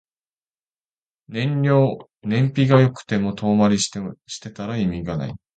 燃費が良くても遠回りしてたら意味ない